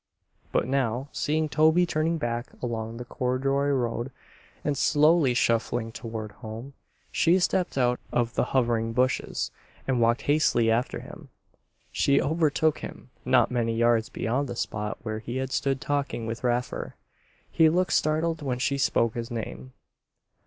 But now, seeing Toby turning back along the corduroy road, and slowly shuffling toward home, she stepped out of the hovering bushes and walked hastily after him. She overtook him not many yards beyond the spot where he had stood talking with Raffer. He looked startled when she spoke his name.